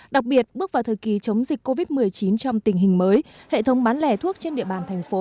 đặc biệt bước vào thời kỳ chống dịch covid một mươi chín trong tình hình mới hệ thống bán lẻ thuốc trên địa bàn thành phố